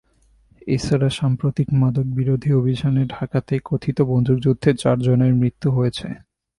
এ ছাড়া সাম্প্রতিক মাদকবিরোধী অভিযানে ঢাকাতেই কথিত বন্দুকযুদ্ধে চারজনের মৃত্যু হয়েছে।